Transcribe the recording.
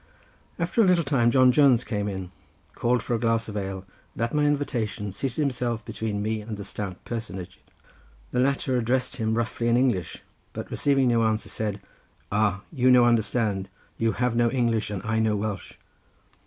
After a little time John Jones came in, called for a glass of ale, and at my invitation seated himself between me and the stout personage. The latter addressed him roughly in English, but receiving no answer said, "Ah, you no understand. You have no English and I no Welsh."